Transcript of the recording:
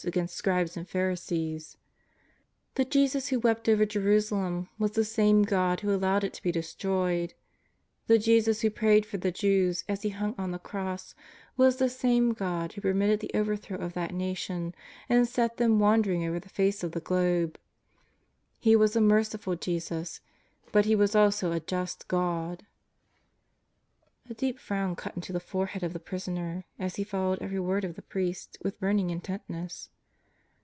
against Scribes and Pharisees; the Jesus who wept over Jerusalem was the same God who allowed it to be destroyed; the Jesus who prayed for the Jews as He hung on the Cross was the same God who permitted the overthrow of that nation and set them wander ing over the face of the globe. He was a merciful Jesus, but He was also a just God. A deep frown cut into the forehead of the prisoner as he followed every word of the priest with burning intentness.